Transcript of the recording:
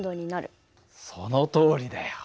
そのとおりだよ。